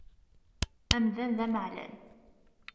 Amdan d ameεlal.